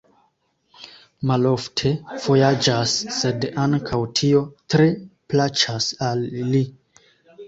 Malofte vojaĝas, sed ankaŭ tio tre plaĉas al li.